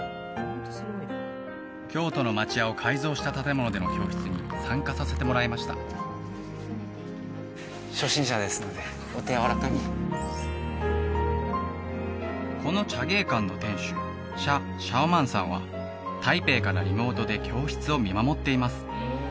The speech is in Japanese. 京都の町家を改造した建物での教室に参加させてもらいました初心者ですのでお手柔らかにこの茶芸館の店主謝小曼さんは台北からリモートで教室を見守っています